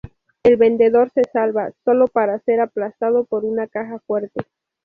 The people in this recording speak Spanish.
El vendedor se salva, solo para ser aplastado por una Caja Fuerte.